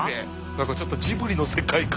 何かちょっとジブリの世界観。